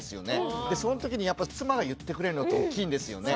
そのときにやっぱ妻が言ってくれるのって大きいんですよね。